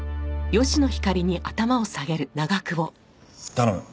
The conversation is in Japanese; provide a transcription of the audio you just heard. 頼む。